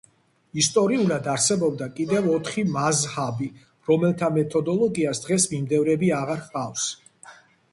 ისტორიულად არსებობდა კიდევ ოთხი მაზჰაბი, რომელთა მეთოდოლოგიას დღეს მიმდევრები აღარ ჰყავს.